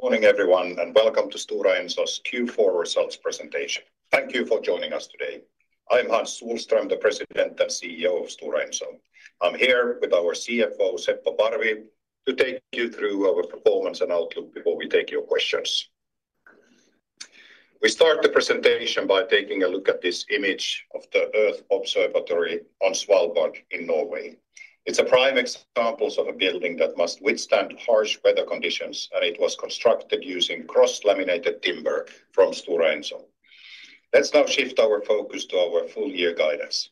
Good morning, everyone, and welcome to Stora Enso's Q4 results presentation. Thank you for joining us today. I'm Hans Sohlström, the President and CEO of Stora Enso. I'm here with our CFO, Seppo Parvi, to take you through our performance and outlook before we take your questions. We start the presentation by taking a look at this image of the Earth Observatory on Svalbard in Norway. It's a prime examples of a building that must withstand harsh weather conditions, and it was constructed using cross-laminated timber from Stora Enso. Let's now shift our focus to our full year guidance.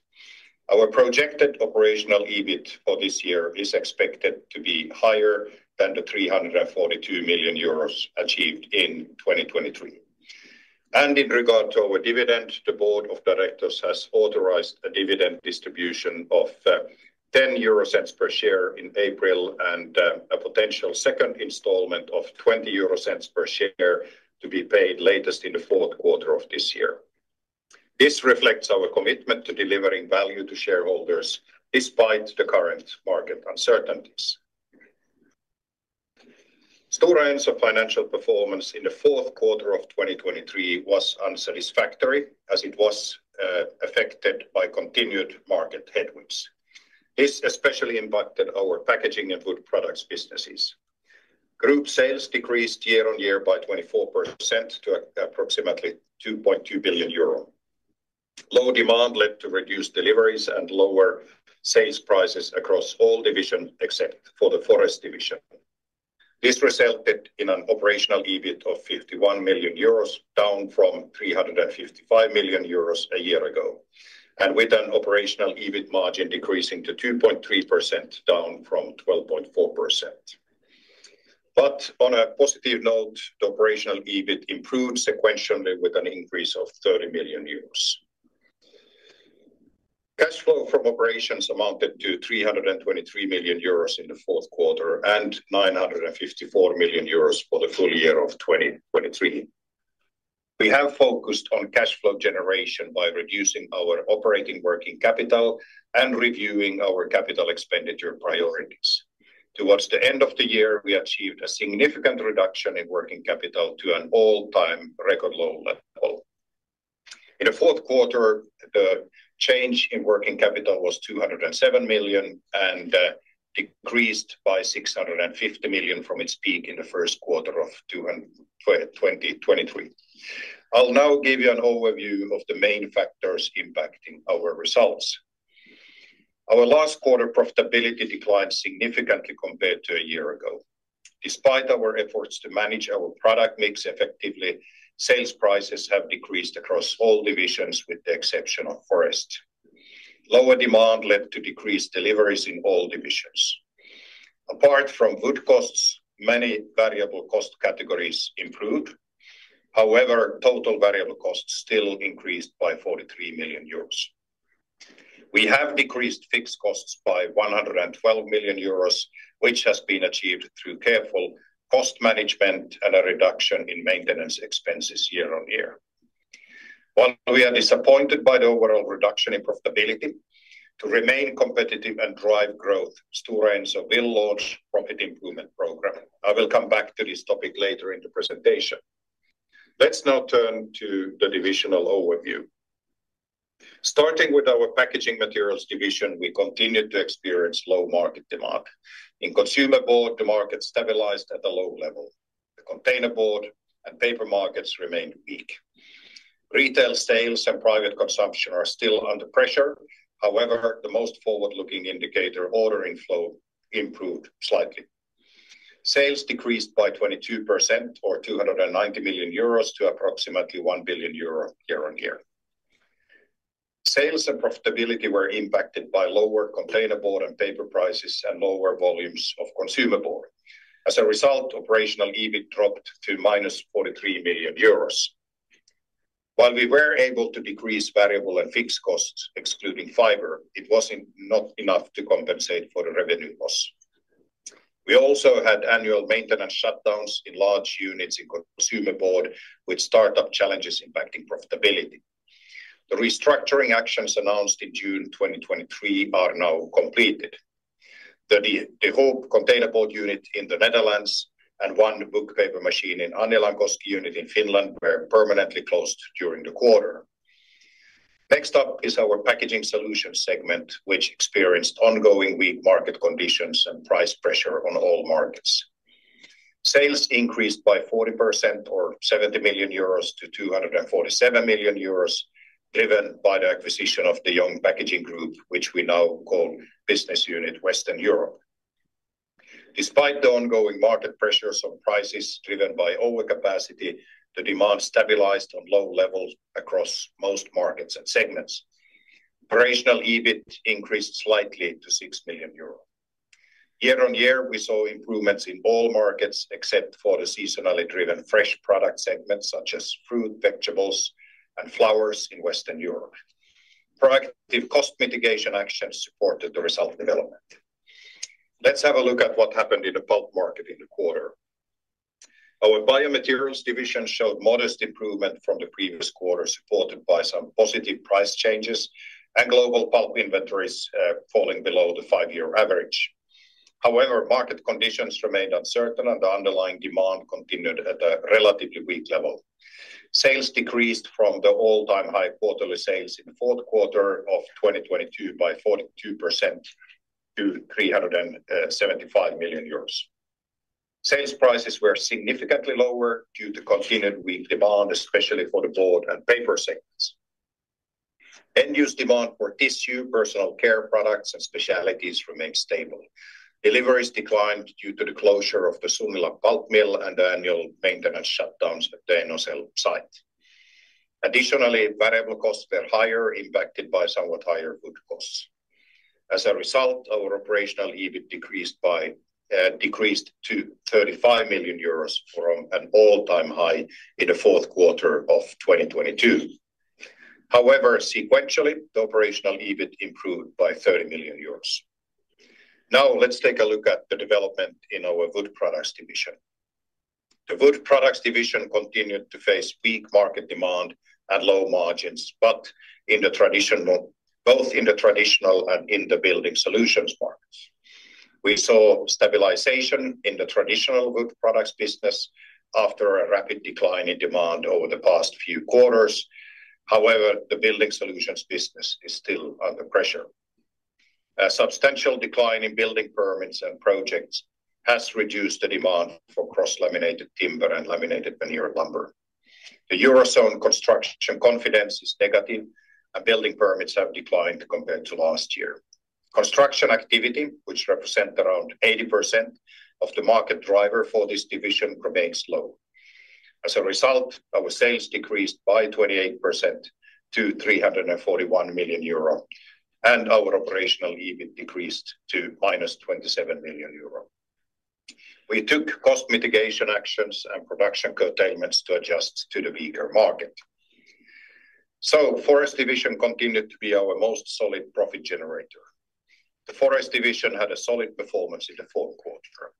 Our projected operational EBIT for this year is expected to be higher than the 342 million euros achieved in 2023. In regard to our dividend, the board of directors has authorized a dividend distribution of 0.10 per share in April and a potential second installment of 0.20 per share to be paid latest in the fourth quarter of this year. This reflects our commitment to delivering value to shareholders despite the current market uncertainties. Stora Enso financial performance in the fourth quarter of 2023 was unsatisfactory, as it was affected by continued market headwinds. This especially impacted our packaging and wood products businesses. Group sales decreased year-on-year by 24% to approximately 2.2 billion euro. Lower demand led to reduced deliveries and lower sales prices across all divisions, except for the Forest division. This resulted in an Operational EBIT of 51 million euros, down from 355 million euros a year ago, and with an Operational EBIT margin decreasing to 2.3%, down from 12.4%. On a positive note, the Operational EBIT improved sequentially with an increase of 30 million euros. Cash flow from operations amounted to 323 million euros in the fourth quarter, and 954 million euros for the full year of 2023. We have focused on cash flow generation by reducing our operating working capital and reviewing our capital expenditure priorities. Towards the end of the year, we achieved a significant reduction in working capital to an all-time record low level. In the fourth quarter, the change in working capital was 207 million and decreased by 650 million from its peak in the first quarter of 2023. I'll now give you an overview of the main factors impacting our results. Our last quarter profitability declined significantly compared to a year ago. Despite our efforts to manage our product mix effectively, sales prices have decreased across all divisions, with the exception of forest. Lower demand led to decreased deliveries in all divisions. Apart from wood costs, many variable cost categories improved. However, total variable costs still increased by 43 million euros. We have decreased fixed costs by 112 million euros, which has been achieved through careful cost management and a reduction in maintenance expenses year on year. While we are disappointed by the overall reduction in profitability, to remain competitive and drive growth, Stora Enso will launch profit improvement program. I will come back to this topic later in the presentation. Let's now turn to the divisional overview. Starting with our Packaging Materials division, we continued to experience low market demand. In Consumer Board, the market stabilized at a low level. The containerboard and paper markets remained weak. Retail sales and private consumption are still under pressure. However, the most forward-looking indicator, ordering flow, improved slightly. Sales decreased by 22%, or 290 million euros, to approximately 1 billion euro year-on-year. Sales and profitability were impacted by lower containerboard and paper prices and lower volumes of consumer board. As a result, Operational EBIT dropped to -43 million euros. While we were able to decrease variable and fixed costs, excluding fiber, it was not enough to compensate for the revenue loss. We also had annual maintenance shutdowns in large units in Consumer Board, with startup challenges impacting profitability. The restructuring actions announced in June 2023 are now completed. The whole containerboard unit in the Netherlands and one book paper machine in Anjalankoski, Finland were permanently closed during the quarter. Next up is our Packaging Solutions segment, which experienced ongoing weak market conditions and price pressure on all markets. Sales increased by 40%, or 70 million euros to 247 million euros, driven by the acquisition of the De Jong Packaging Group, which we now call Business Unit Western Europe. Despite the ongoing market pressures on prices driven by overcapacity, the demand stabilized on low levels across most markets and segments. Operational EBIT increased slightly to 6 million euro. Year-on-year, we saw improvements in all markets except for the seasonally driven fresh product segments, such as fruit, vegetables, and flowers in Western Europe. Proactive cost mitigation actions supported the result development. Let's have a look at what happened in the pulp market in the quarter. Our Biomaterials division showed modest improvement from the previous quarter, supported by some positive price changes, and global pulp inventories falling below the five-year average. However, market conditions remained uncertain, and the underlying demand continued at a relatively weak level. Sales decreased from the all-time high quarterly sales in the fourth quarter of 2022 by 42% to 375 million euros. Sales prices were significantly lower due to continued weak demand, especially for the board and paper segments. End-use demand for tissue, personal care products, and specialties remained stable. Deliveries declined due to the closure of the Sunila pulp mill and the annual maintenance shutdowns at the Enocell site. Additionally, variable costs were higher, impacted by somewhat higher wood costs. As a result, our Operational EBIT decreased to 35 million euros from an all-time high in the fourth quarter of 2022. However, sequentially, the Operational EBIT improved by 30 million euros. Now, let's take a look at the development in our Wood Products division. The Wood Products division continued to face weak market demand at low margins, but in the traditional both in the traditional and in the Building Solutions markets. We saw stabilization in the traditional wood products business after a rapid decline in demand over the past few quarters. However, the Building Solutions business is still under pressure. A substantial decline in building permits and projects has reduced the demand for cross-laminated timber and laminated veneer lumber. The Eurozone construction confidence is negative, and building permits have declined compared to last year. Construction activity, which represent around 80% of the market driver for this division, remains low. As a result, our sales decreased by 28% to 341 million euro, and our Operational EBIT decreased to -27 million euro. We took cost mitigation actions and production curtailments to adjust to the weaker market. Forest division continued to be our most solid profit generator. The Forest division had a solid performance in the fourth quarter.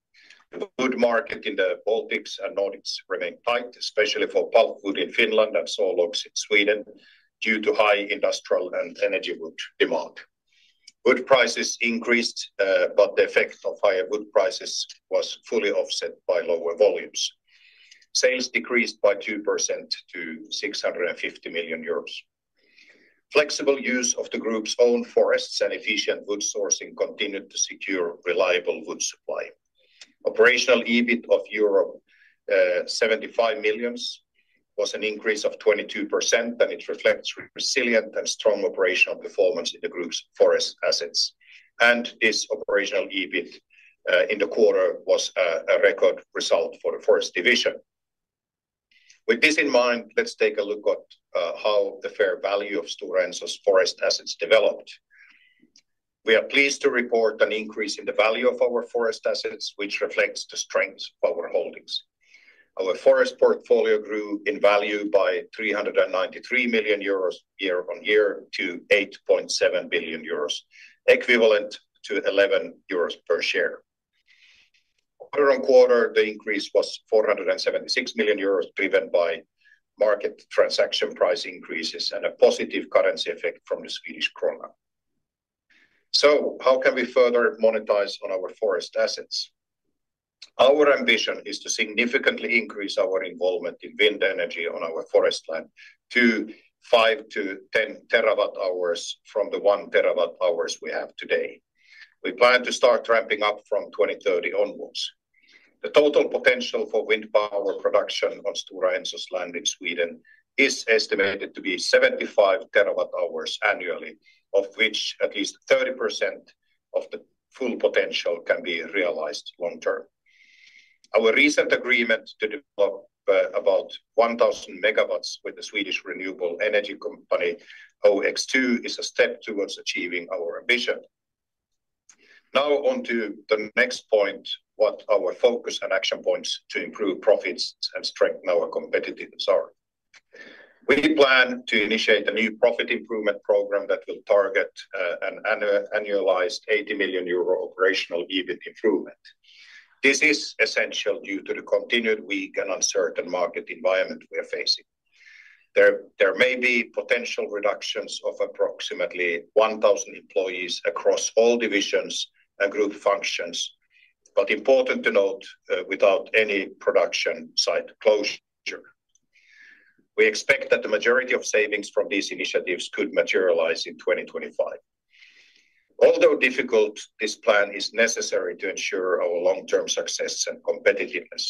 The wood market in the Baltics and Nordics remained tight, especially for pulpwood in Finland and sawlogs in Sweden, due to high industrial and energy wood demand. Wood prices increased, but the effect of higher wood prices was fully offset by lower volumes. Sales decreased by 2% to 650 million euros. Flexible use of the group's own forests and efficient wood sourcing continued to secure reliable wood supply. Operational EBIT of 75 million was an increase of 22%, and it reflects resilient and strong operational performance in the group's forest assets. This operational EBIT in the quarter was a record result for the Forest division. With this in mind, let's take a look at how the fair value of Stora Enso's forest assets developed. We are pleased to report an increase in the value of our forest assets, which reflects the strength of our holdings. Our forest portfolio grew in value by 393 million euros year-on-year to 8.7 billion euros, equivalent to 11 euros per share. Quarter on quarter, the increase was 476 million euros, driven by market transaction price increases and a positive currency effect from the Swedish krona. So how can we further monetize on our forest assets? Our ambition is to significantly increase our involvement in wind energy on our forest land to 5-10 TWh from the 1 TWh we have today. We plan to start ramping up from 2030 onwards. The total potential for wind power production on Stora Enso's land in Sweden is estimated to be 75 TWh annually, of which at least 30% of the full potential can be realized long term. Our recent agreement to develop about 1,000 megawatts with the Swedish renewable energy company OX2 is a step towards achieving our ambition. Now, on to the next point, what our focus and action points to improve profits and strengthen our competitiveness are. We plan to initiate a new profit improvement program that will target an annualized 80 million euro Operational EBIT improvement. This is essential due to the continued weak and uncertain market environment we are facing. There may be potential reductions of approximately 1,000 employees across all divisions and group functions, but important to note, without any production site closure. We expect that the majority of savings from these initiatives could materialize in 2025. Although difficult, this plan is necessary to ensure our long-term success and competitiveness.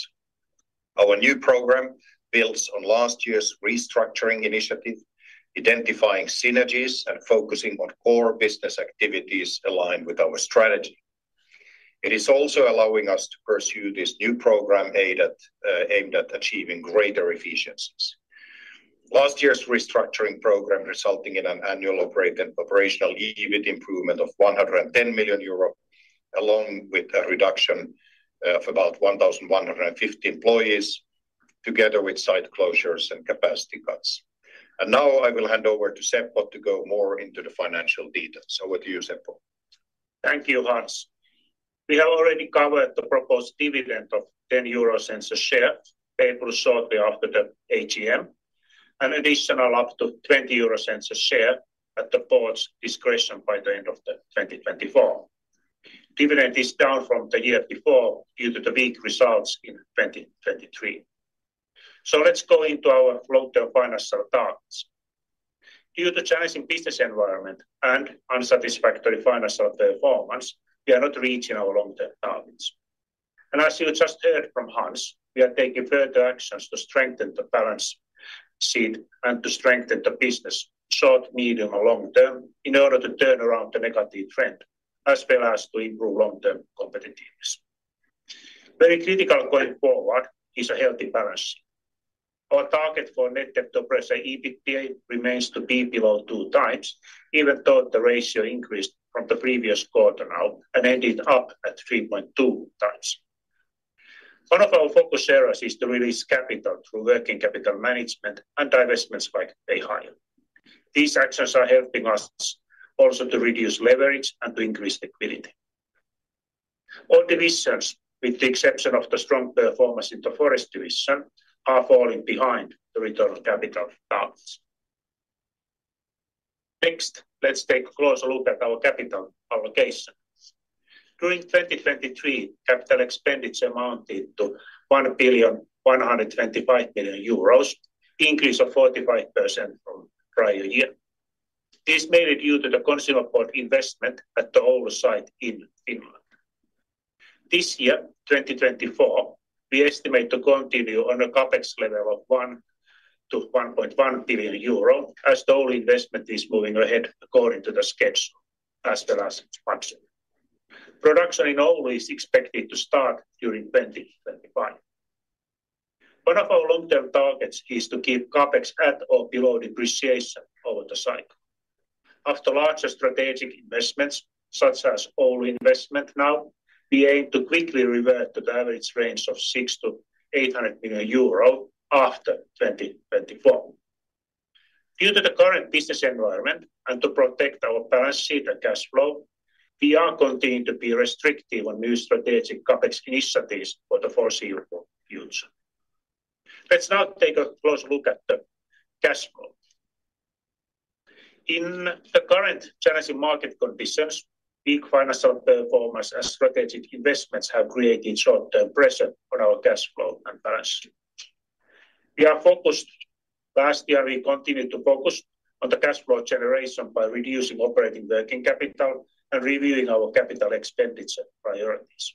Our new program builds on last year's restructuring initiative, identifying synergies and focusing on core business activities aligned with our strategy. It is also allowing us to pursue this new program aided, aimed at achieving greater efficiencies. Last year's restructuring program resulting in an annual operational EBIT improvement of 110 million euro, along with a reduction of about 1,150 employees, together with site closures and capacity cuts. And now I will hand over to Seppo to go more into the financial details. So over to you, Seppo.... Thank you, Hans. We have already covered the proposed dividend of 0.10 a share, payable shortly after the AGM, an additional up to 0.20 a share at the board's discretion by the end of 2024. Dividend is down from the year before due to the weak results in 2023. So let's go into our long-term financial targets. Due to challenging business environment and unsatisfactory financial performance, we are not reaching our long-term targets. And as you just heard from Hans, we are taking further actions to strengthen the balance sheet and to strengthen the business short, medium, or long term in order to turn around the negative trend, as well as to improve long-term competitiveness. Very critical going forward is a healthy balance. Our target for net debt to EBITDA remains to be below 2x, even though the ratio increased from the previous quarter now and ended up at 3.2x. One of our focus areas is to release capital through working capital management and divestments like Beihai. These actions are helping us also to reduce leverage and to increase liquidity. All divisions, with the exception of the strong performance in the forest division, are falling behind the return of capital targets. Next, let's take a closer look at our capital allocations. During 2023, capital expenditures amounted to 1,125 million euros, increase of 45% from prior year. This is mainly due to the consumer board investment at the Oulu site in Finland. This year, 2024, we estimate to continue on a CapEx level of 1 billion-1.1 billion euro, as the Oulu investment is moving ahead according to the schedule, as well as its function. Production in Oulu is expected to start during 2025. One of our long-term targets is to keep CapEx at or below depreciation over the cycle. After larger strategic investments, such as Oulu investment now, we aim to quickly revert to the average range of 600 million-800 million euro after 2024. Due to the current business environment and to protect our balance sheet and cash flow, we are continuing to be restrictive on new strategic CapEx initiatives for the foreseeable future. Let's now take a close look at the cash flow. In the current challenging market conditions, weak financial performance as strategic investments have created short-term pressure on our cash flow and balance sheet. We are focused... Last year, we continued to focus on the cash flow generation by reducing operating working capital and reviewing our capital expenditure priorities.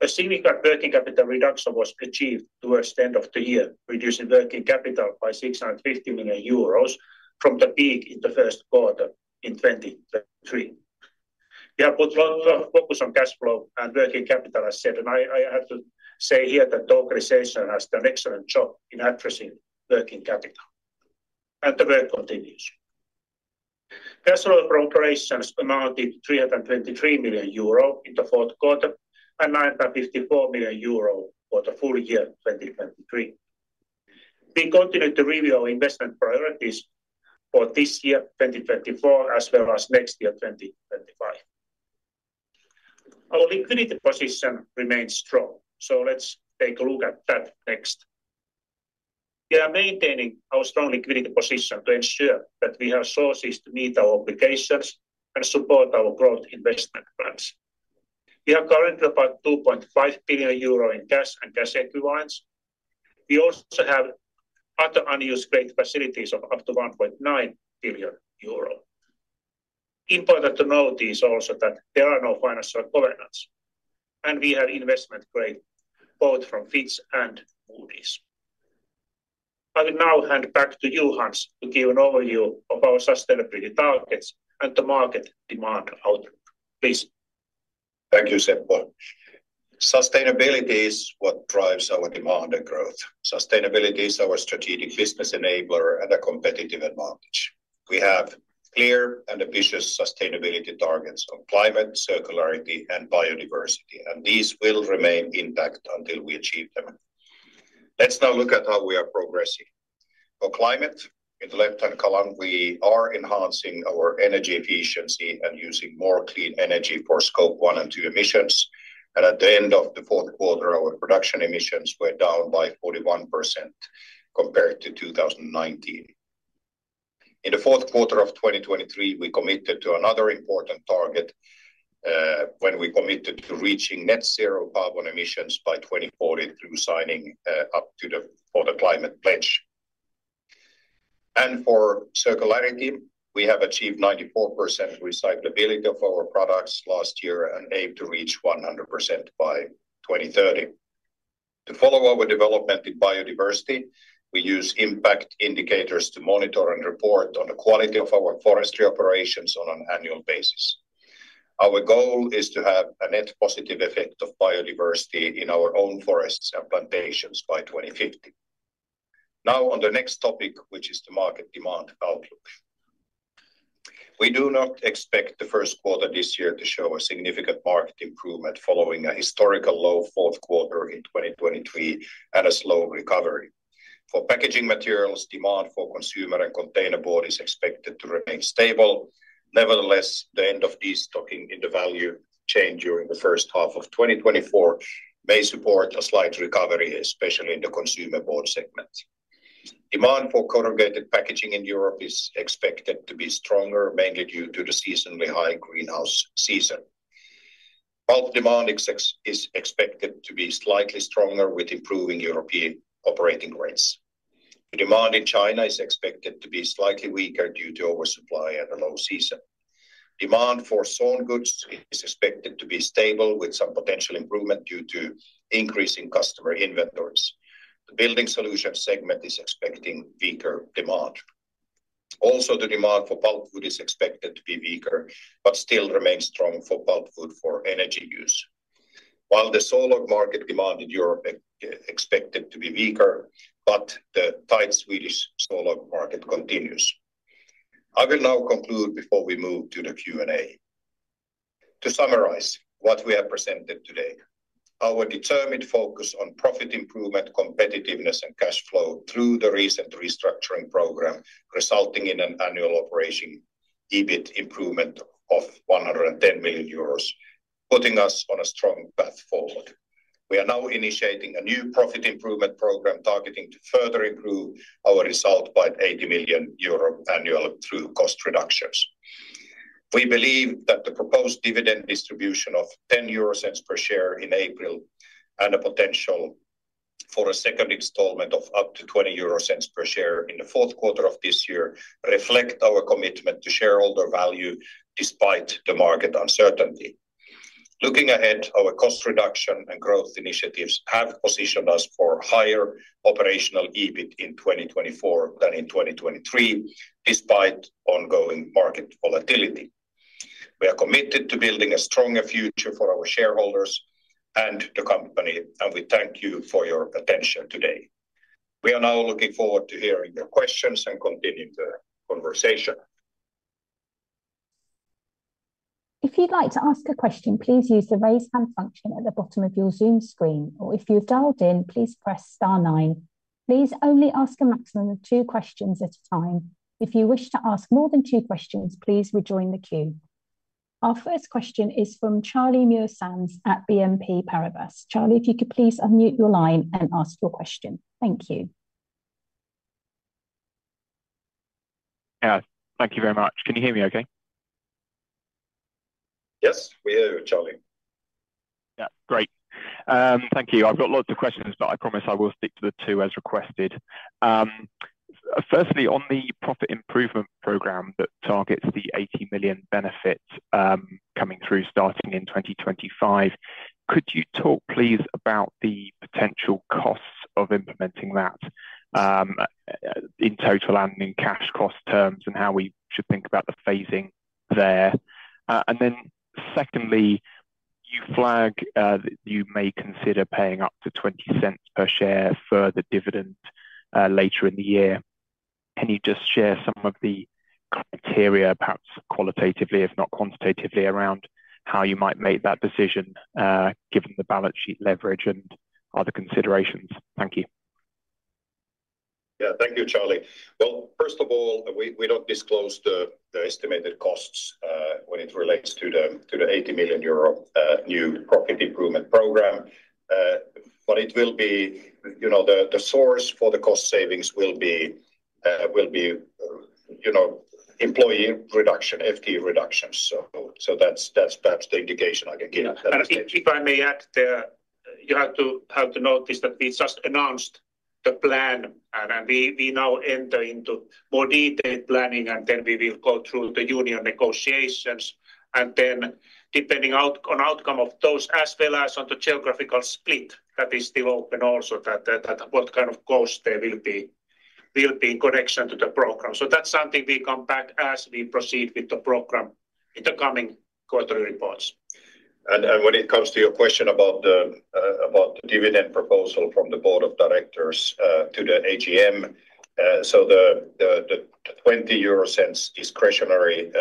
A significant working capital reduction was achieved towards the end of the year, reducing working capital by 650 million euros from the peak in the first quarter in 2023. We have put a lot of focus on cash flow and working capital, as I said, and I have to say here that the organization has done excellent job in addressing working capital, and the work continues. Cash flow from operations amounted to 323 million euro in the fourth quarter, and 954 million euro for the full year 2023. We continued to review our investment priorities for this year, 2024, as well as next year, 2025. Our liquidity position remains strong, so let's take a look at that next. We are maintaining our strong liquidity position to ensure that we have sources to meet our obligations and support our growth investment plans. We have currently about 2.5 billion euro in cash and cash equivalents. We also have other unused credit facilities of up to 1.9 billion euro. Important to note is also that there are no financial covenants, and we have investment grade, both from Fitch and Moody's. I will now hand back to you, Hans, to give an overview of our sustainability targets and the market demand outlook. Please. Thank you, Seppo. Sustainability is what drives our demand and growth. Sustainability is our strategic business enabler and a competitive advantage. We have clear and ambitious sustainability targets on climate, circularity, and biodiversity, and these will remain intact until we achieve them. Let's now look at how we are progressing. For climate, in the left-hand column, we are enhancing our energy efficiency and using more clean energy for Scope 1 and 2 emissions, and at the end of the fourth quarter, our production emissions were down by 41% compared to 2019. In the fourth quarter of 2023, we committed to another important target, when we committed to reaching net zero carbon emissions by 2040 through signing up to The Climate Pledge. For circularity, we have achieved 94% recyclability of our products last year and aim to reach 100% by 2030. To follow our development in biodiversity, we use impact indicators to monitor and report on the quality of our forestry operations on an annual basis. Our goal is to have a net positive effect of biodiversity in our own forests and plantations by 2050. Now, on the next topic, which is the market demand outlook. We do not expect the first quarter this year to show a significant market improvement following a historical low fourth quarter in 2023 and a slow recovery. For packaging materials, demand for consumer and containerboard is expected to remain stable. Nevertheless, the end of this stocking in the value chain during the first half of 2024 may support a slight recovery, especially in the consumer board segment. Demand for corrugated packaging in Europe is expected to be stronger, mainly due to the seasonally high greenhouse season. Pulp demand is expected to be slightly stronger with improving European operating rates. The demand in China is expected to be slightly weaker due to oversupply and a low season. Demand for sawn wood is expected to be stable, with some potential improvement due to increase in customer inventories. The Building Solutions segment is expecting weaker demand. Also, the demand for pulpwood is expected to be weaker, but still remains strong for pulpwood for energy use. While the sawlog market demand in Europe is expected to be weaker, but the tight Swedish sawlog market continues. I will now conclude before we move to the Q&A. To summarize what we have presented today, our determined focus on profit improvement, competitiveness, and cash flow through the recent restructuring program, resulting in an annual operating EBIT improvement of 110 million euros, putting us on a strong path forward. We are now initiating a new profit improvement program, targeting to further improve our result by 80 million euro annually through cost reductions. We believe that the proposed dividend distribution of 0.10 per share in April, and a potential for a second installment of up to 0.20 per share in the fourth quarter of this year, reflect our commitment to shareholder value despite the market uncertainty. Looking ahead, our cost reduction and growth initiatives have positioned us for higher operational EBIT in 2024 than in 2023, despite ongoing market volatility. We are committed to building a stronger future for our shareholders and the company, and we thank you for your attention today. We are now looking forward to hearing your questions and continuing the conversation. If you'd like to ask a question, please use the Raise Hand function at the bottom of your Zoom screen, or if you've dialed in, please press star nine. Please only ask a maximum of two questions at a time. If you wish to ask more than two questions, please rejoin the queue. Our first question is from Charlie Muir-Sands at BNP Paribas. Charlie, if you could please unmute your line and ask your question. Thank you. Yeah, thank you very much. Can you hear me okay? Yes, we hear you, Charlie. Yeah, great. Thank you. I've got lots of questions, but I promise I will stick to the two, as requested. Firstly, on the profit improvement program that targets the 80 million benefit, coming through starting in 2025, could you talk, please, about the potential costs of implementing that, in total and in cash cost terms, and how we should think about the phasing there? And then secondly, you flag, that you may consider paying up to 0.20 per share for the dividend, later in the year. Can you just share some of the criteria, perhaps qualitatively, if not quantitatively, around how you might make that decision, given the balance sheet leverage and other considerations? Thank you. Yeah. Thank you, Charlie. Well, first of all, we don't disclose the estimated costs when it relates to the 80 million euro new profit improvement program. But it will be... You know, the source for the cost savings will be employee reduction, FTE reductions. So that's the indication I can give. And if I may add there, you have to notice that we just announced the plan, and we now enter into more detailed planning, and then we will go through the union negotiations. And then, depending on outcome of those, as well as on the geographical split, that is still open also, that what kind of cost there will be, will be in connection to the program. So that's something we come back as we proceed with the program in the coming quarterly reports. When it comes to your question about the dividend proposal from the board of directors to the AGM, so the 0.20 discretionary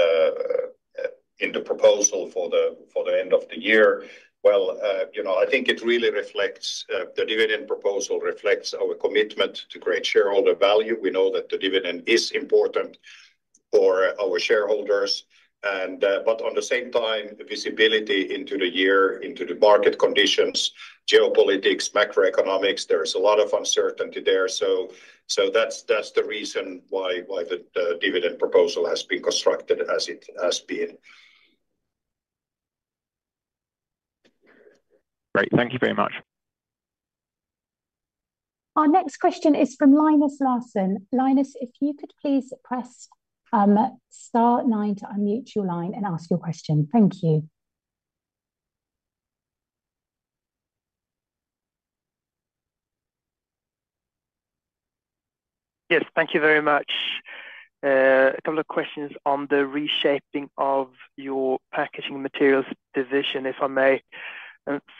in the proposal for the end of the year, well, you know, I think it really reflects the dividend proposal reflects our commitment to create shareholder value. We know that the dividend is important for our shareholders, and... But on the same time, the visibility into the year, into the market conditions, geopolitics, macroeconomics, there is a lot of uncertainty there. So that's the reason why the dividend proposal has been constructed as it has been. Great. Thank you very much. Our next question is from Linus Larsson. Linus, if you could please press star nine to unmute your line and ask your question. Thank you. Yes, thank you very much. A couple of questions on the reshaping of your packaging materials division, if I may.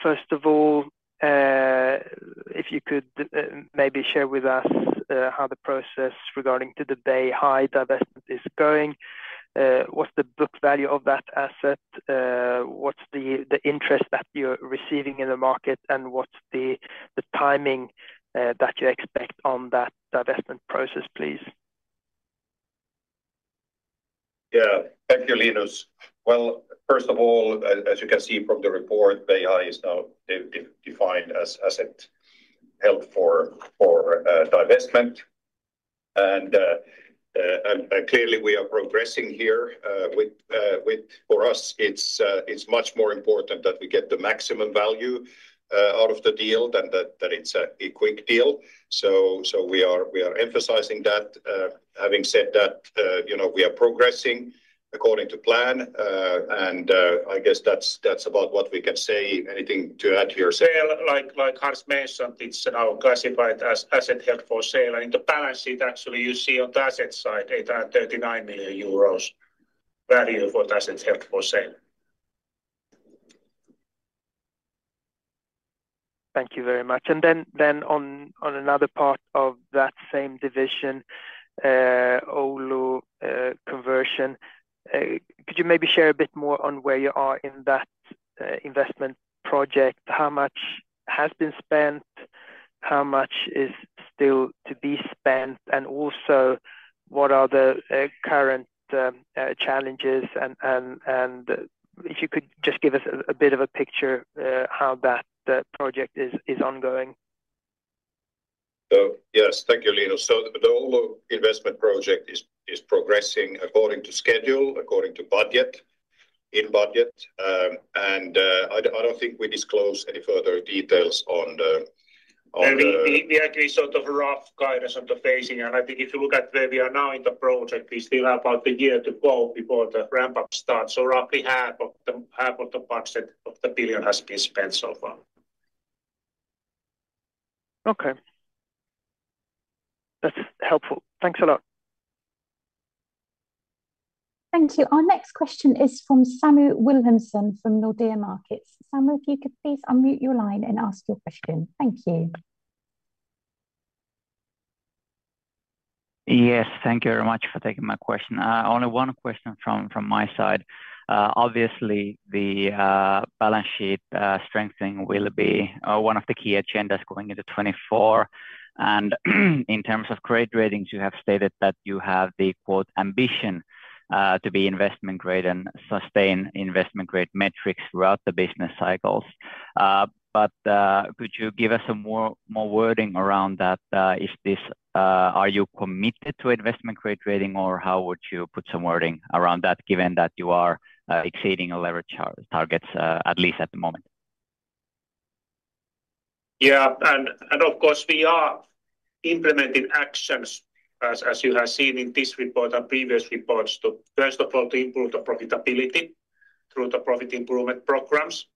First of all, if you could, maybe share with us, how the process regarding to the Beihai divestment is going, what's the book value of that asset? What's the interest that you're receiving in the market, and what's the timing that you expect on that divestment process, please?... Yeah. Thank you, Linus. Well, first of all, as you can see from the report, Beihai is now defined as asset held for divestment. And clearly we are progressing here with... For us, it's much more important that we get the maximum value out of the deal than that it's a quick deal. So we are emphasizing that. Having said that, you know, we are progressing according to plan. And I guess that's about what we can say. Anything to add here? Well, like, like Lars mentioned, it's now classified as asset held for sale. In the balance sheet, actually, you see on the asset side, 839 million euros value for assets held for sale. Thank you very much. And then, then on, on another part of that same division, Oulu, conversion, could you maybe share a bit more on where you are in that, investment project? How much has been spent? How much is still to be spent? And also, what are the current challenges? And, and, and if you could just give us a, a bit of a picture, how that, the project is, is ongoing. Yes, thank you, Linus. The Oulu investment project is progressing according to schedule, according to budget, in budget. I don't think we disclose any further details on the- We actually sort of rough guidance on the phasing. And I think if you look at where we are now in the project, we still have about a year to go before the ramp-up starts. So roughly half of the budget of the 1 billion has been spent so far. Okay. That's helpful. Thanks a lot. Thank you. Our next question is from Samu Wilhelmsson from Nordea Markets. Samu, if you could please unmute your line and ask your question. Thank you. Yes, thank you very much for taking my question. Only one question from, from my side. Obviously, the balance sheet strengthening will be one of the key agendas going into 2024. And in terms of credit ratings, you have stated that you have the, quote, "ambition," to be Investment Grade and sustain Investment Grade metrics throughout the business cycles. But could you give us some more, more wording around that? Is this... Are you committed to Investment Grade rating, or how would you put some wording around that, given that you are exceeding your leverage targets, at least at the moment? Yeah, and of course, we are implementing actions, as you have seen in this report and previous reports, to first of all improve the profitability through the profit improvement programs,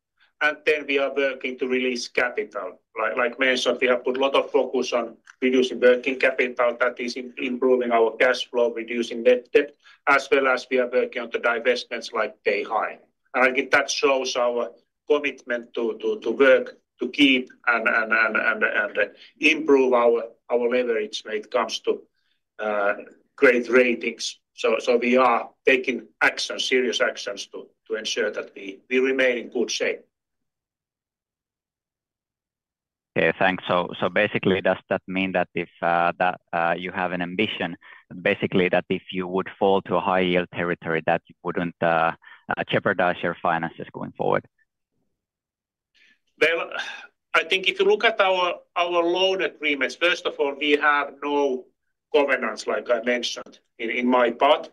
and then we are working to release capital. Like mentioned, we have put a lot of focus on reducing working capital, that is improving our cash flow, reducing net debt, as well as we are working on the divestments like Beihai. And I think that shows our commitment to work, to keep and improve our leverage when it comes to credit ratings. So we are taking actions, serious actions, to ensure that we remain in good shape. Okay, thanks. So basically, does that mean that if you have an ambition, basically, that if you would fall to a high-yield territory, that you wouldn't jeopardize your finances going forward? Well, I think if you look at our loan agreements, first of all, we have no governance, like I mentioned in my part.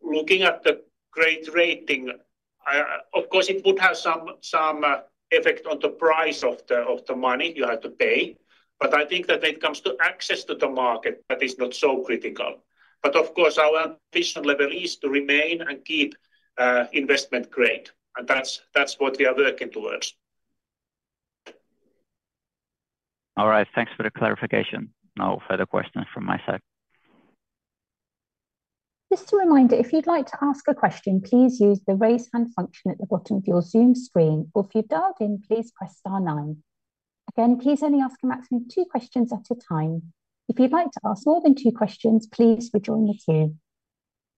Looking at the credit rating, of course, it would have some effect on the price of the money you have to pay, but I think that when it comes to access to the market, that is not so critical. But of course, our ambition level is to remain and keep Investment Grade, and that's what we are working towards. All right. Thanks for the clarification. No further questions from my side. Just a reminder, if you'd like to ask a question, please use the Raise Hand function at the bottom of your Zoom screen, or if you've dialed in, please press star nine. Again, please only ask a maximum of two questions at a time. If you'd like to ask more than two questions, please rejoin the queue.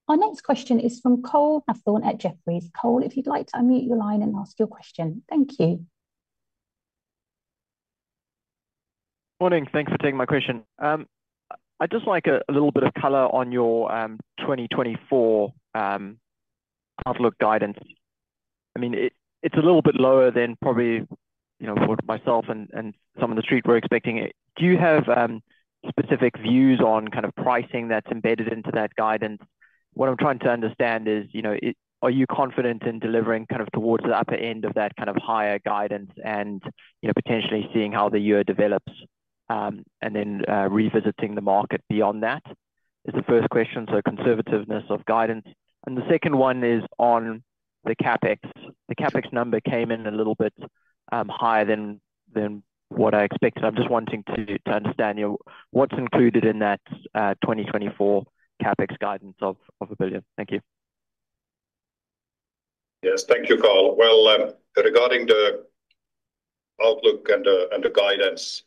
Our next question is from Cole Hathorn at Jefferies. Cole, if you'd like to unmute your line and ask your question. Thank you. Morning. Thanks for taking my question. I'd just like a little bit of color on your 2024 outlook guidance. I mean, it's a little bit lower than probably, you know, for myself and some of the street were expecting it. Do you have specific views on kind of pricing that's embedded into that guidance? What I'm trying to understand is, you know, are you confident in delivering kind of towards the upper end of that kind of higher guidance and, you know, potentially seeing how the year develops, and then revisiting the market beyond that? Is the first question, so conservativeness of guidance. And the second one is on the CapEx. The CapEx number came in a little bit higher than what I expected. I'm just wanting to understand, you know, what's included in that 2024 CapEx guidance of 1 billion. Thank you. Yes. Thank you, Cole. Well, regarding the outlook and the guidance,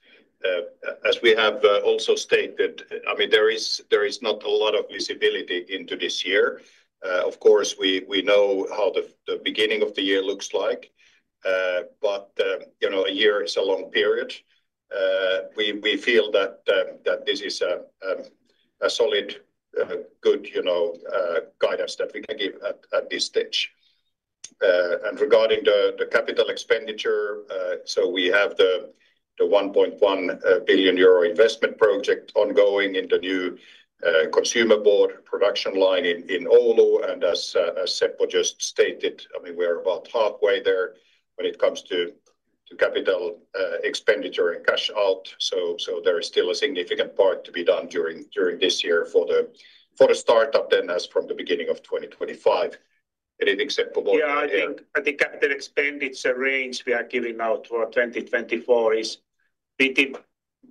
as we have also stated, I mean, there is not a lot of visibility into this year. Of course, we know how the beginning of the year looks like. But, you know, a year is a long period. We feel that this is a solid, good, you know, guidance that we can give at this stage. And regarding the capital expenditure, so we have the 1.1 billion euro investment project ongoing in the new consumer board production line in Oulu. And as Seppo just stated, I mean, we're about halfway there when it comes to capital expenditure and cash out. There is still a significant part to be done during this year for the start-up, then as from the beginning of 2025. Anything Seppo want to add? Yeah, I think, I think capital expenditure range we are giving out for 2024 is pretty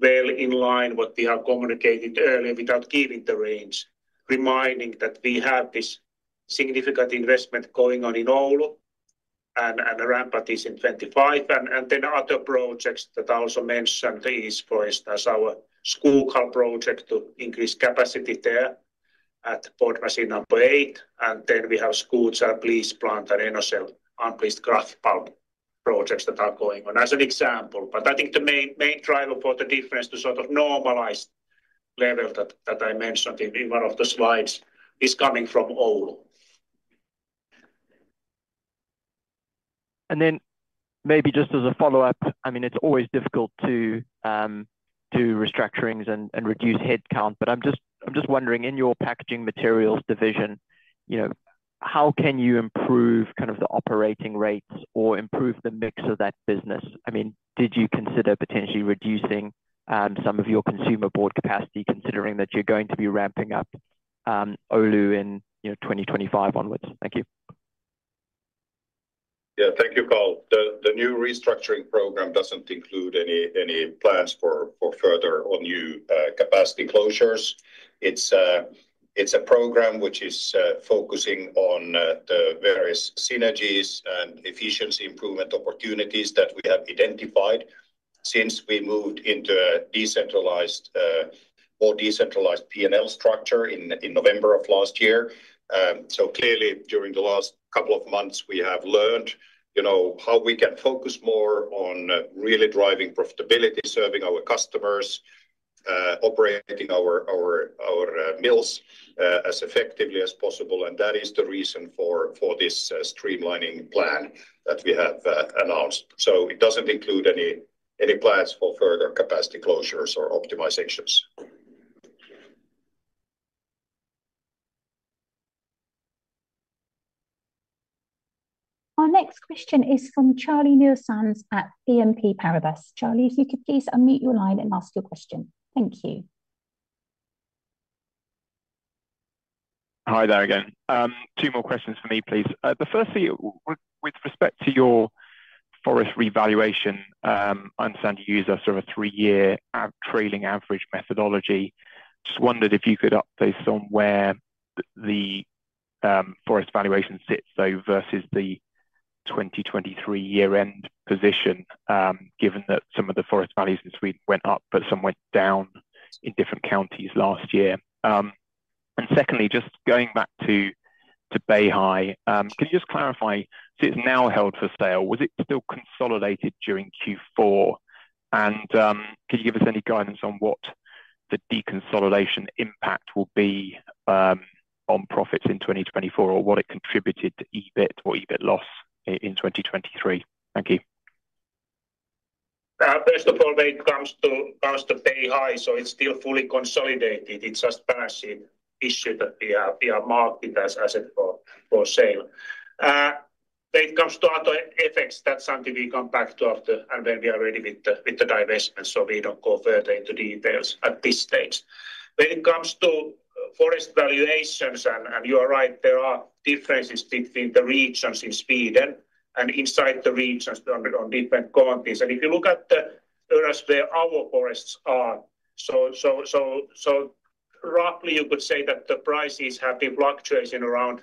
well in line what we have communicated earlier without giving the range. Reminding that we have this significant investment going on in Oulu, and, and ramp up is in 2025. And, and then other projects that I also mentioned is, for instance, our Skoghall project to increase capacity there at board machine number eight. And then we have Skutskär Bleach Plant and Enocel unbleached kraft pulp projects that are going on, as an example. But I think the main, main driver for the difference to sort of normalize level that, that I mentioned in, in one of the slides is coming from Oulu. Then maybe just as a follow-up, I mean, it's always difficult to do restructurings and, and reduce headcount, but I'm just, I'm just wondering, in your packaging materials division, you know, how can you improve kind of the operating rates or improve the mix of that business? I mean, did you consider potentially reducing some of your consumer board capacity, considering that you're going to be ramping up Oulu in, you know, 2025 onwards? Thank you. Yeah. Thank you, Cole. The new restructuring program doesn't include any plans for further or new capacity closures. It's a program which is focusing on the various synergies and efficiency improvement opportunities that we have identified since we moved into a decentralized, more decentralized P&L structure in November of last year. So clearly, during the last couple of months, we have learned, you know, how we can focus more on really driving profitability, serving our customers, operating our mills as effectively as possible, and that is the reason for this streamlining plan that we have announced. So it doesn't include any plans for further capacity closures or optimizations. Our next question is from Charlie Muir-Sands at BNP Paribas. Charlie, if you could please unmute your line and ask your question. Thank you. Hi there again. Two more questions for me, please. But firstly, with respect to your forest revaluation, I understand you use a sort of a three-year trailing average methodology. Just wondered if you could update us on where the forest valuation sits, though, versus the 2023 year-end position, given that some of the forest values in Sweden went up, but some went down in different counties last year. And secondly, just going back to Beihai, can you just clarify, since it's now held for sale, was it still consolidated during Q4? And, can you give us any guidance on what the deconsolidation impact will be on profits in 2024, or what it contributed to EBIT or EBIT loss in 2023? Thank you. First of all, when it comes to Beihai, so it's still fully consolidated. It's just balancing issue that we are marking as asset for sale. When it comes to other effects, that's something we come back to after, and when we are ready with the divestment, so we don't go further into details at this stage. When it comes to forest valuations, and you are right, there are differences between the regions in Sweden and inside the regions on different counties. And if you look at the areas where our forests are, so roughly, you could say that the prices have been fluctuating around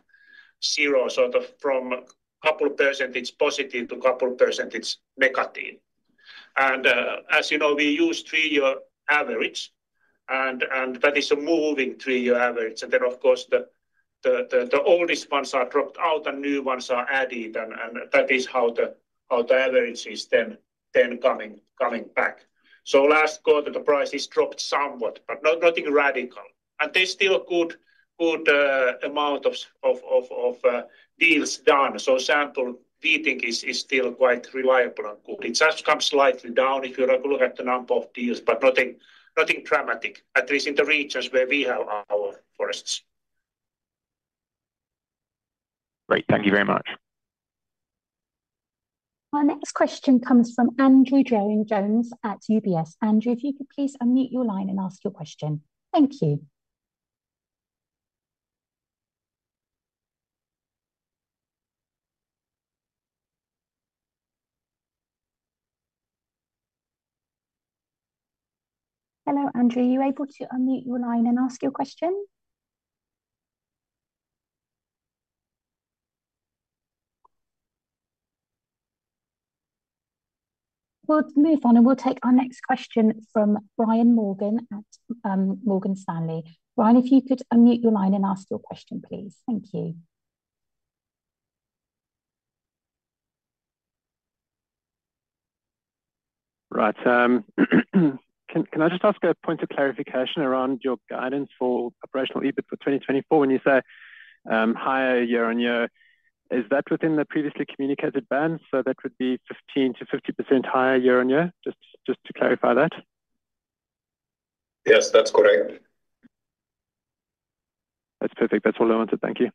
zero, sort of from a couple percentage positive to couple percentage negative. And, as you know, we use three-year average, and that is a moving three-year average. And then, of course, the oldest ones are dropped out, and new ones are added, and that is how the average is then coming back. So last quarter, the prices dropped somewhat, but nothing radical, and there's still a good amount of deals done. So sample, we think, is still quite reliable and good. It's just come slightly down if you look at the number of deals, but nothing dramatic, at least in the regions where we have our forests. Great. Thank you very much. Our next question comes from Andrew Jones at UBS. Andrew, if you could please unmute your line and ask your question. Thank you. Hello, Andrew, are you able to unmute your line and ask your question? We'll move on, and we'll take our next question from Brian Morgan at Morgan Stanley. Brian, if you could unmute your line and ask your question, please. Thank you.... Right. Can I just ask a point of clarification around your guidance for operational EBIT for 2024? When you say higher year-on-year, is that within the previously communicated band? So that would be 15%-50% higher year-on-year, just to clarify that. Yes, that's correct. That's perfect. That's all I wanted. Thank you.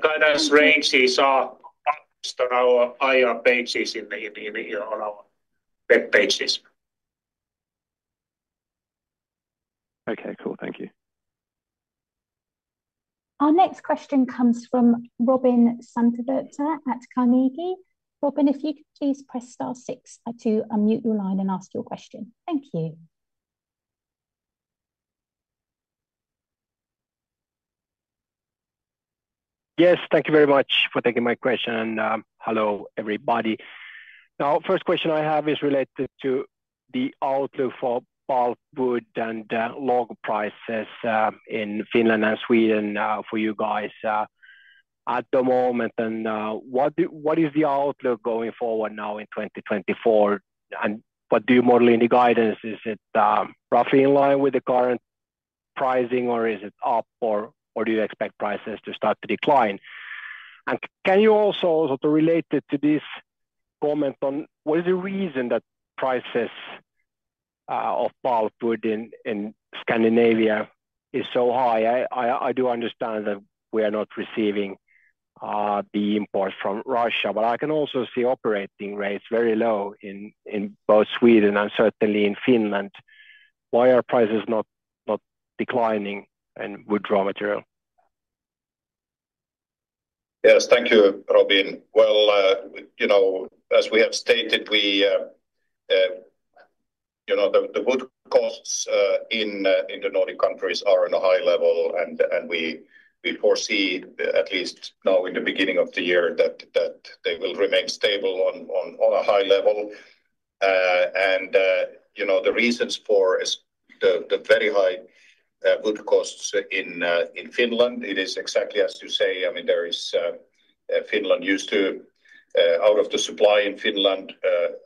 Guidance ranges are on our IR pages in the, on our web pages. Okay, cool. Thank you. Our next question comes from Robin Santavirta at Carnegie. Robin, if you could please press star six to unmute your line and ask your question. Thank you. Yes, thank you very much for taking my question, and hello, everybody. Now, first question I have is related to the outlook for pulpwood and log prices in Finland and Sweden for you guys at the moment. And what is the outlook going forward now in 2024? And what do you model in the guidance? Is it roughly in line with the current pricing, or is it up, or do you expect prices to start to decline? And can you also, sort of related to this, comment on what is the reason that prices of pulpwood in Scandinavia is so high? I do understand that we are not receiving the import from Russia, but I can also see operating rates very low in both Sweden and certainly in Finland. Why are prices not declining in wood raw material? Yes. Thank you, Robin. Well, you know, as we have stated, you know, the wood costs in the Nordic countries are on a high level, and we foresee at least now in the beginning of the year that they will remain stable on a high level. And you know, the reasons for is the very high wood costs in Finland, it is exactly as you say. I mean, there is Finland used to... Out of the supply in Finland,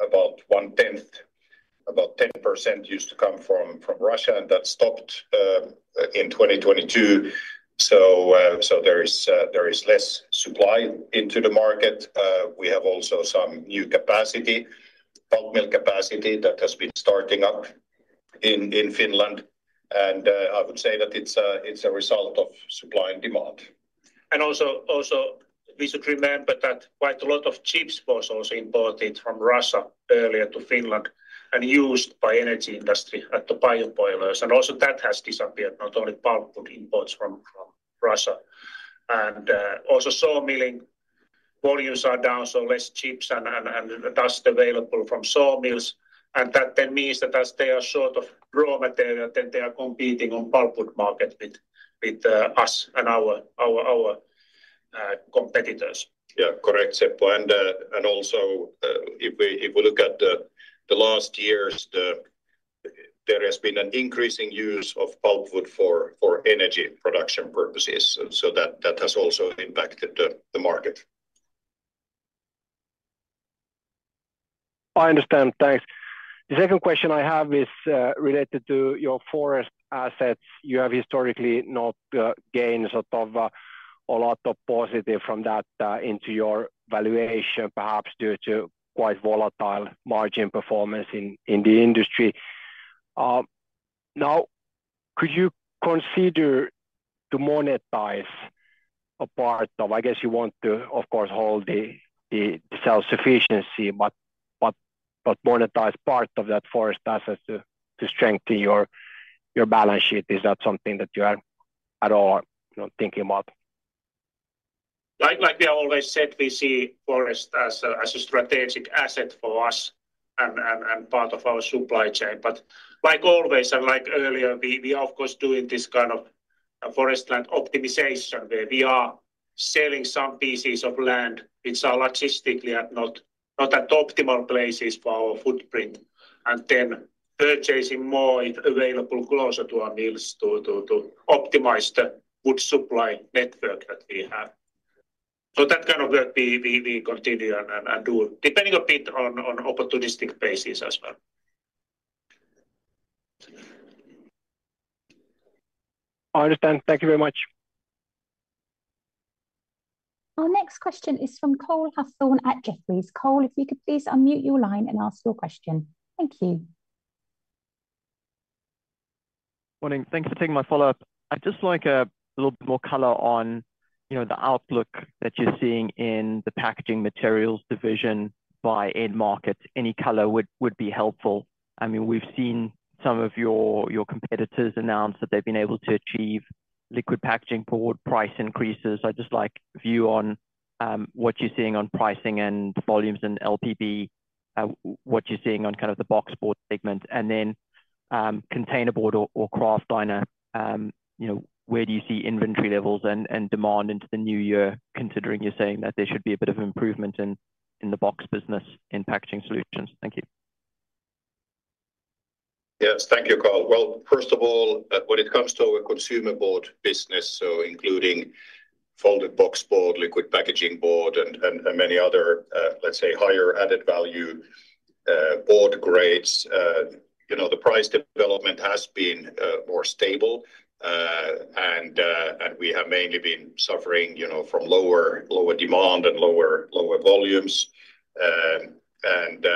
about one-tenth, about 10% used to come from Russia, and that stopped in 2022. So, there is less supply into the market. We have also some new capacity, pulp mill capacity, that has been starting up in Finland. I would say that it's a result of supply and demand. And also, we should remember that quite a lot of chips was also imported from Russia earlier to Finland and used by energy industry at the bio boilers. And also that has disappeared, not only pulpwood imports from Russia. And also, sawmilling volumes are down, so less chips and dust available from sawmills. And that then means that as they are short of raw material, then they are competing on pulpwood market with us and our competitors. Yeah, correct, Seppo. And, and also, if we look at the last years, there has been an increasing use of pulpwood for energy production purposes, so that has also impacted the market. I understand. Thanks. The second question I have is related to your forest assets. You have historically not gained sort of a lot of positive from that into your valuation, perhaps due to quite volatile margin performance in the industry. Now, could you consider to monetize a part of... I guess you want to, of course, hold the self-sufficiency, but monetize part of that forest assets to strengthen your balance sheet. Is that something that you are at all, you know, thinking about? Like we always said, we see forest as a strategic asset for us and part of our supply chain. But like always, and like earlier, we are of course doing this kind of forest land optimization, where we are selling some pieces of land which are logistically not at optimal places for our footprint, and then purchasing more if available closer to our mills to optimize the wood supply network that we have. So that kind of work we continue and do, depending a bit on opportunistic basis as well. I understand. Thank you very much. Our next question is from Cole Hathorn at Jefferies. Cole, if you could please unmute your line and ask your question. Thank you. Morning. Thank you for taking my follow-up. I'd just like a little bit more color on, you know, the outlook that you're seeing in the packaging materials division by end market. Any color would be helpful. I mean, we've seen some of your competitors announce that they've been able to achieve liquid packaging board price increases. I'd just like view on what you're seeing on pricing and volumes in LPB, what you're seeing on kind of the box board segment, and then containerboard or kraftliner, you know, where do you see inventory levels and demand into the new year, considering you're saying that there should be a bit of improvement in the box business in packaging solutions? Thank you.... Yes. Thank you, Carl. Well, first of all, when it comes to our consumer board business, so including folding boxboard, liquid packaging board, and many other, let's say, higher added value board grades, you know, the price development has been more stable. And we have mainly been suffering, you know, from lower demand and lower volumes. And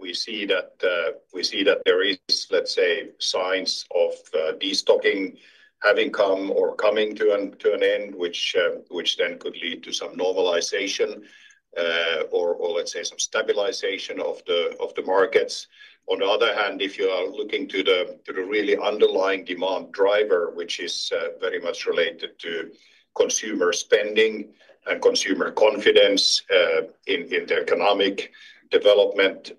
we see that there is, let's say, signs of destocking having come or coming to an end, which then could lead to some normalization, or let's say some stabilization of the markets. On the other hand, if you are looking to the really underlying demand driver, which is very much related to consumer spending and consumer confidence in the economic development,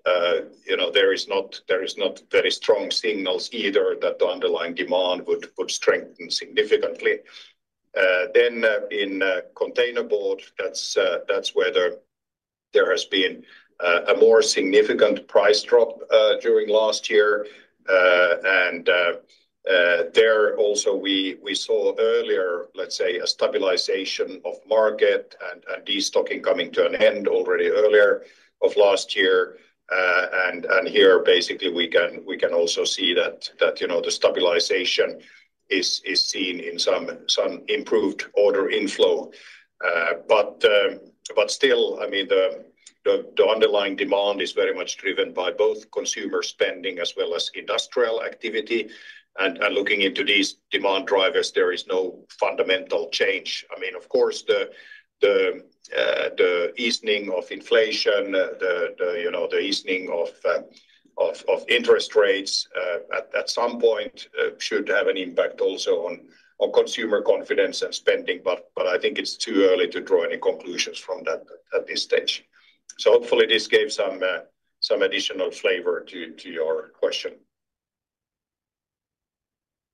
you know, there is not very strong signals either that the underlying demand would strengthen significantly. Then, in Containerboard, that's where there has been a more significant price drop during last year. And there also we saw earlier, let's say, a stabilization of market and destocking coming to an end already earlier of last year. And here, basically, we can also see that, you know, the stabilization is seen in some improved order inflow. But still, I mean, the underlying demand is very much driven by both consumer spending as well as industrial activity. Looking into these demand drivers, there is no fundamental change. I mean, of course, the easing of inflation, you know, the easing of interest rates at some point should have an impact also on consumer confidence and spending, but I think it's too early to draw any conclusions from that at this stage. So hopefully, this gave some additional flavor to your question.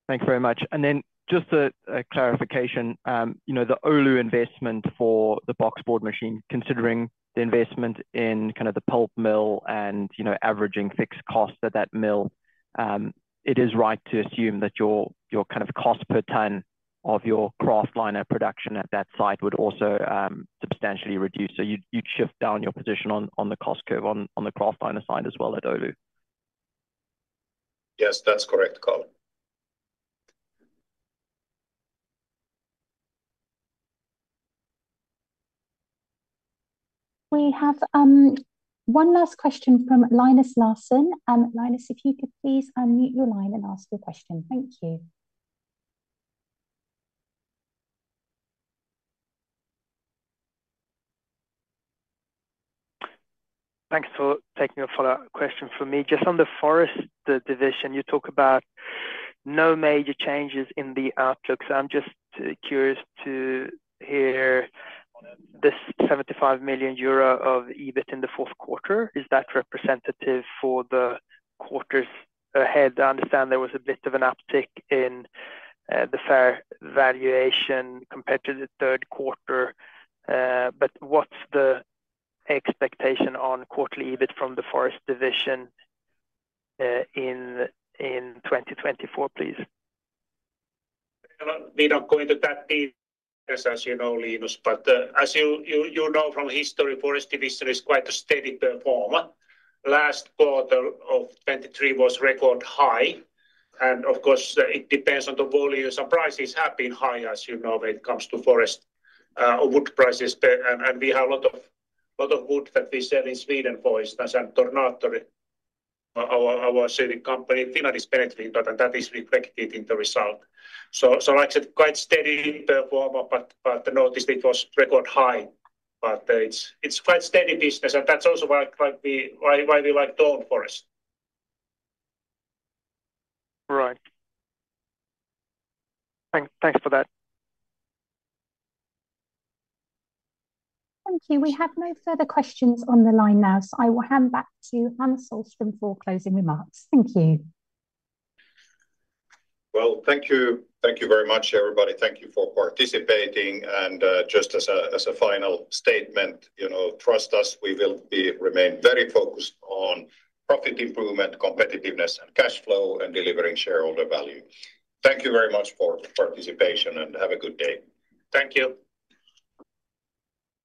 Thanks very much. And then just a clarification, you know, the Oulu investment for the box board machine, considering the investment in kind of the pulp mill and, you know, averaging fixed costs at that mill, it is right to assume that your, your kind of cost per ton of your kraftliner production at that site would also, substantially reduce? So you'd, you'd shift down your position on, on the cost curve on, on the kraftliner side as well at Oulu. Yes, that's correct, Carl. We have one last question from Linus Larsson. Linus, if you could please unmute your line and ask the question. Thank you. Thanks for taking a follow-up question from me. Just on the Forest Division, you talk about no major changes in the outlook. So I'm just curious to hear this 75 million euro of EBIT in the fourth quarter, is that representative for the quarters ahead? I understand there was a bit of an uptick in the fair valuation compared to the third quarter. But what's the expectation on quarterly EBIT from the Forest Division in 2024, please? Well, we don't go into that deep, as you know, Linus. But as you know from history, forest division is quite a steady performer. Last quarter of 2023 was record high, and of course, it depends on the volumes, and prices have been high, as you know, when it comes to forest wood prices. And we have a lot of wood that we sell in Sweden forest, and Tornator, our selling company in Finland is benefiting, and that is reflected in the result. So like I said, quite steady performer, but notice it was record high. But it's quite steady business, and that's also why we like to own forest. Right. Thanks for that. Thank you. We have no further questions on the line now, so I will hand back to Hans Sohlström for closing remarks. Thank you. Well, thank you. Thank you very much, everybody. Thank you for participating. And just as a final statement, you know, trust us, we will be remain very focused on profit improvement, competitiveness, and cash flow, and delivering shareholder value. Thank you very much for participation, and have a good day. Thank you.